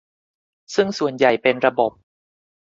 ซึ่งส่วนใหญ่เป็นระบบ